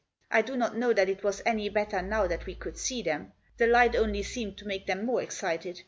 I do not know that it was any better now that we could see them. The light only seemed to make them more excited.